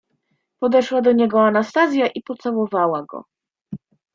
"Podeszła do niego Anastazja i pocałowała go."